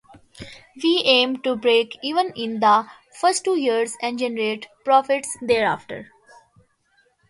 We aim to break even in the first two years and generate profits thereafter.